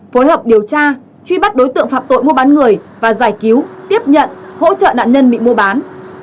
phối hợp điều tra truy bắt đối tượng phạm tội mua bán người và giải cứu tiếp nhận hỗ trợ nạn nhân bị mua bán